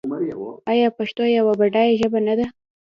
آیا پښتو یوه بډایه ژبه نه ده؟